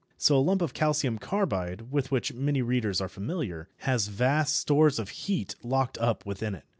So a lump of calcium carbide, with which many readers are familiar, has vast stores of heat locked up within it.